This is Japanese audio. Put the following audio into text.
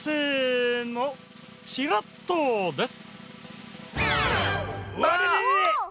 せのチラッとです！